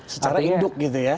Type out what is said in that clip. secara induk gitu ya